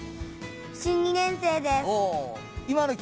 新２年生です。